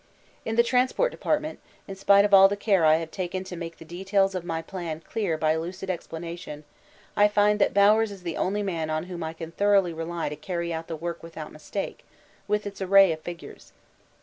In the transport department, in spite of all the care I have taken to make the details of my plan clear by lucid explanation, I find that Bowers is the only man on whom I can thoroughly rely to carry out the work without mistake, with its arrays of figures.